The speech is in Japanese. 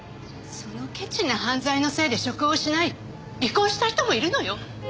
そのケチな犯罪のせいで職を失い離婚した人もいるのよ！